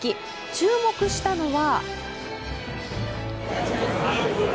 注目したのは。